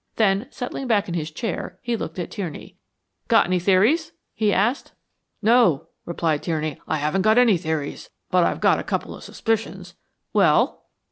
Then settling back in his chair, he looked at Tierney. "Got any theories?" he asked. "No," replied Tierney. "I haven't any theories but I've got a couple of suspicions." "Well?"